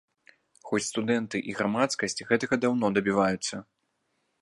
Хоць студэнты і грамадскасць гэтага даўно дабіваюцца.